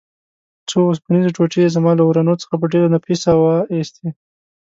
څو اوسپنیزې ټوټې یې زما له ورنو څخه په ډېره نفیسه وه ایستې.